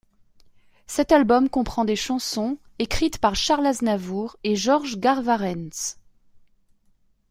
Ct album comprend des chansons écrites par Charles Aznavour et Georges Garvarentz.